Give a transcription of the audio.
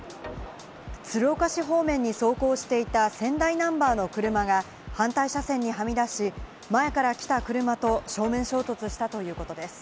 鶴岡市方面に走行していた仙台ナンバーの車が反対車線にはみ出し、前から来た車と正面衝突したということです。